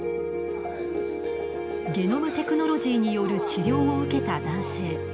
ゲノムテクノロジーによる治療を受けた男性。